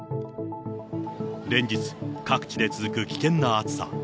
連日、各地で続く危険な暑さ。